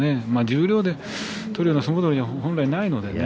十両で取るような相撲取りでは本来ないのでね。